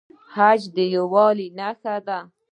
حج د یووالي نښه ده